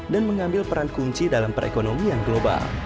dan mengambil peran kunci dalam perekonomian global